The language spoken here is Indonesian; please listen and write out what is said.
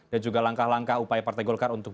dan juga langkah langkah upaya partai golkar untuk